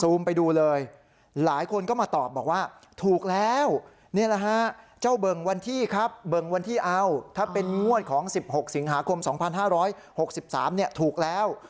ซูมไปดูเลยหลายคนก็มาตอบบอกว่าถูกแล้วนี่แหละฮะเจ้าเบิร์งวันที่ครับเบิร์งวันที่เอาถ้าเป็นงวดของสิบหกสิงหาคมสองพันห้าร้อยหกสิบสามเนี่ยถูกแล้ว